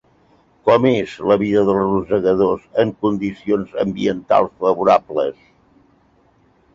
Com és la vida dels rosegadors en condicions ambientals favorables?